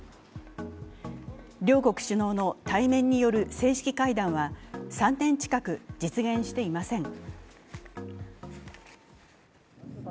両国首脳の対面による正式会談は３年近く実現していません。